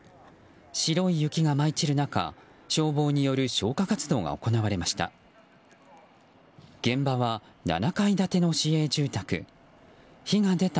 白い雪が舞い散る中、消防による消火活動が行われました。